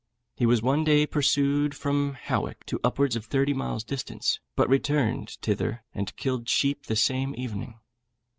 He was one day pursued from Howick to upwards of thirty miles' distance, but returned thither and killed sheep the same evening.